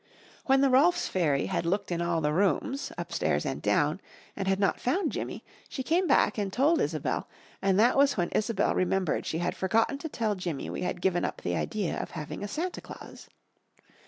When the Rolfs fairy had looked in all the rooms, upstairs and down, and had not found Jimmy, she came back and told Isobel, and that was when Isobel remembered she had forgotten to tell Jimmy we had given up the idea of having a Santa Claus.